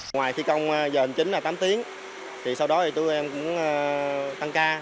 ngoài thi công giờ chín là tám tiếng sau đó tụi em cũng tăng cao